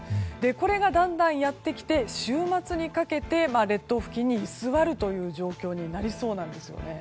これがだんだんやってきて週末にかけて列島付近に居座る状況になりそうなんです。